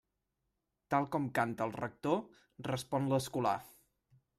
Tal com canta el rector, respon l'escolà.